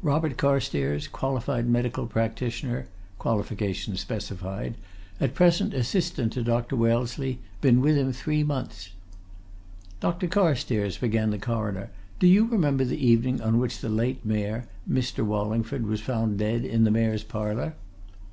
Robert Carstairs, qualified medical practitioner qualifications specified at present assistant to Dr. Wellesley; been with him three months. "Dr. Carstairs," began the Coroner, "do you remember the evening on which the late Mayor, Mr. Wallingford, was found dead in the Mayor's Parlour?"